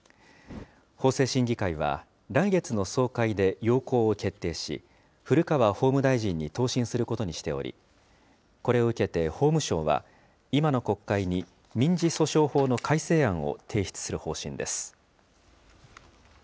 法制審議会は、来月の総会で要綱を決定し、古川法務大臣に答申することにしており、これを受けて法務省は、今の国会に民事訴訟法の改正案を提出する方針です。